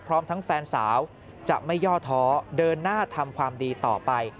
พร้อมทั้งแฟนสาวจะไม่ย่อท้อเดินหน้าทำความดีต่อไป